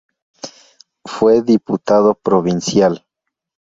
Fue diputado provincial.